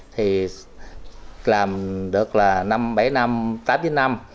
thì làm được là năm bảy năm tám năm